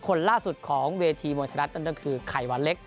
คนล่าสุดของเวทีมวยไทยรัฐนั่นก็คือไข่วันเล็ก